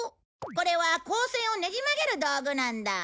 これは光線をねじ曲げる道具なんだ。